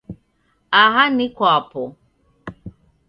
Aha ni kwapo